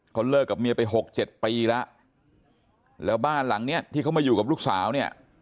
เขาเลิกกับเมียไปหกเจ็ดปีแล้วแล้วบ้านหลังเนี้ยที่เขามาอยู่กับลูกสาวเนี่ย